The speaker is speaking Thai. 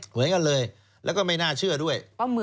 เหมือนกันเลยแล้วก็ไม่น่าเชื่อด้วย